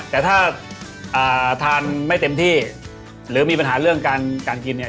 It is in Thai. แต่ถ้าทานไม่เต็มที่หรือมีปัญหาเรื่องการกินเนี่ย